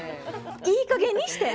いいかげんにして！